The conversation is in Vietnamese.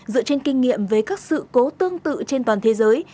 dựa trên kinh nghiệm về các sự cố tương tự trên toàn thế giới